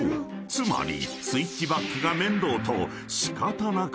つまり］